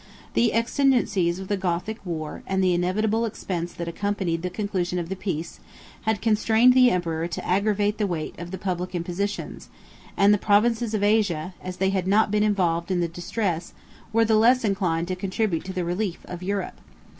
The exigencies of the Gothic war, and the inevitable expense that accompanied the conclusion of the peace, had constrained the emperor to aggravate the weight of the public impositions; and the provinces of Asia, as they had not been involved in the distress were the less inclined to contribute to the relief, of Europe.